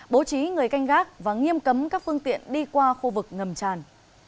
bố trí người canh gác và nghiêm cấm các phương tiện đi qua khu vực ngầm tràn